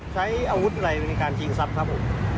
ใช้อาวุธอะไรในการชิงทรัพย์ครับผม